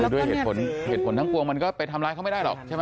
ด้วยเหตุผลเหตุผลทั้งปวงมันก็ไปทำร้ายเขาไม่ได้หรอกใช่ไหม